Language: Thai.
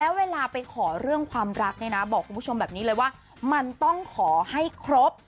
แล้วเวลาไปขอเรื่องความรักเนี่ยนะบอกคุณผู้ชมแบบนี้เลยว่ามันต้องขอให้ครบ